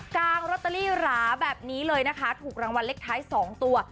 งลอตเตอรี่หราแบบนี้เลยนะคะถูกรางวัลเลขท้าย๒ตัว